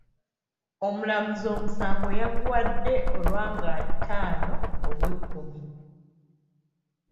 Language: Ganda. Omulamuzi omusango yaguwadde olwa nga ttaano Ogwekkumi.